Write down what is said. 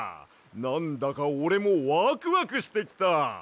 なんだかおれもワクワクしてきた！